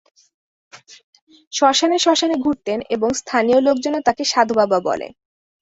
শ্মশানে-শ্মশানে ঘুরতেন, এবং স্থানীয় লোকজনও তাঁকে সাধুবাবা বলে।